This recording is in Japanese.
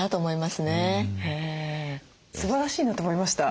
すばらしいなと思いました。